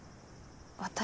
私